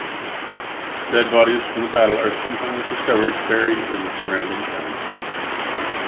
Dead bodies from the battle are sometimes discovered buried in the surrounding townlands.